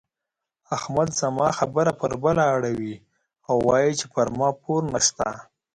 احمد زما خبره پر بله اړوي او وايي چې پر ما پور نه شته.